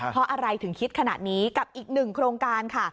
เพราะอะไรถึงคิดขนาดนี้กับอีกหนึ่งโครงการค่ะ